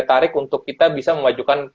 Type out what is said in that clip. tarik untuk kita bisa memajukan